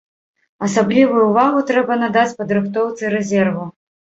Асаблівую ўвагу трэба надаць падрыхтоўцы рэзерву.